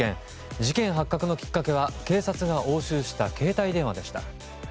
事件発覚のきっかけは警察が押収した携帯電話でした。